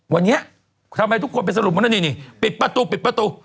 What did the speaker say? วันนี้ทำไมทุกคนไปสรุปหมดแล้วนี่ปิดประตู